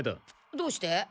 どうして？